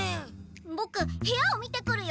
ボク部屋を見てくるよ。